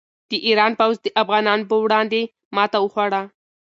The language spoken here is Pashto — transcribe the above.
د ایران پوځ د افغانانو په وړاندې ماته وخوړه.